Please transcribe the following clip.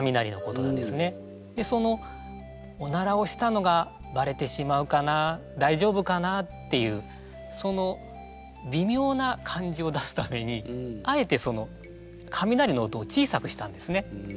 そのおならをしたのがバレてしまうかな大丈夫かなっていうそのびみょうな感じを出すためにあえてその雷の音を小さくしたんですね。